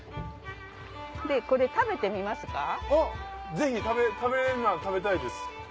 ぜひ食べれるなら食べたいです。